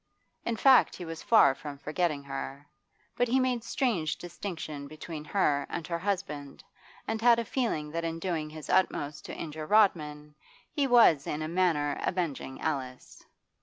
In fact he was far from forgetting her, but he made strange distinction between her and her husband, and had a feeling that in doing his utmost to injure Rodman he was in a manner avenging Alice.